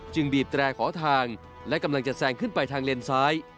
บีบแตรขอทางและกำลังจะแซงขึ้นไปทางเลนซ้าย